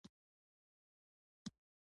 احترام د انساني اړیکو قوت دی.